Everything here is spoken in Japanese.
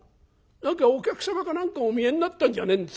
何かお客様か何かお見えになったんじゃねえんですか？